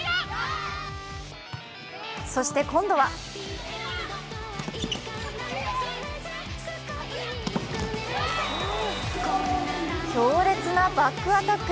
そして今度は強烈なバックアタック。